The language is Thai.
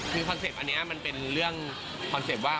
คือคอนเซ็ปต์อันนี้มันเป็นเรื่องคอนเซ็ปต์ว่า